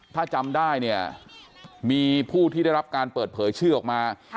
ถ้าจำได้เนี่ยมีผู้ที่ได้รับการเปิดเผยชื่อออกมา